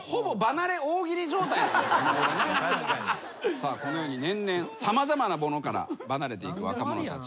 さあこのように年々様々なものから離れていく若者たち。